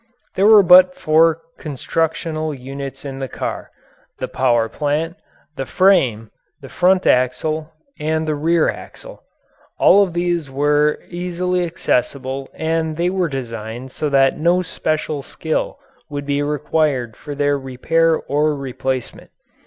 There were but four constructional units in the car the power plant, the frame, the front axle, and the rear axle. All of these were easily accessible and they were designed so that no special skill would be required for their repair or replacement.